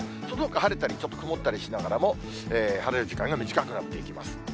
そのほか、晴れたり、ちょっと曇ったりしながらも、晴れる時間が短くなっていきます。